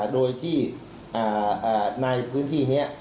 โดยที่ในพื้นที่นี้